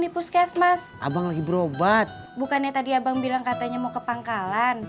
di puskesmas abang lagi berobat bukannya tadi abang bilang katanya mau ke pangkalan